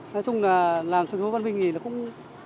nói chung là làm tuyến phố văn minh thì nó cũng